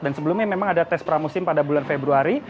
sebelumnya memang ada tes pramusim pada bulan februari